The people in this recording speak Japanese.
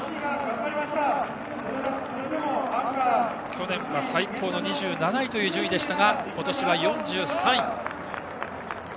去年は最高の２７位という順位でしたが今年は４３位。